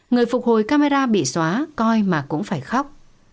người phục hồi camera bị xóa coi mà cũng phải khóc